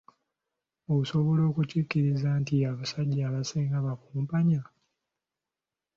Osobola okukikkiriza nti abasajja abasinga bakumpanya?